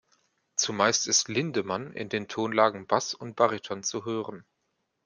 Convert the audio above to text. Zumeist ist Lindemann in den Tonlagen Bass und Bariton zu hören.